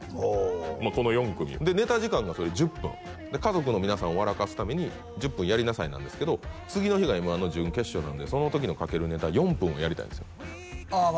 この４組でネタ時間がそれ１０分家族の皆さんを笑かすために１０分やりなさいなんですけど次の日がＭ−１の準決勝なんでその時のかけるネタ４分をやりたいんですよああ